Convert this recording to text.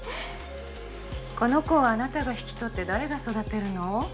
この子をあなたが引き取って誰が育てるの？